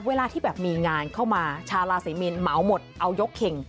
เวลาที่แบบมีงานเข้ามาชาวราศรีมีนเหมาหมดเอายกเข่ง